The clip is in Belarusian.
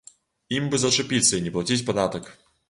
Ім бы зачапіцца і не плаціць падатак.